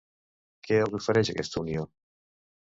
Què els ofereix aquesta unió?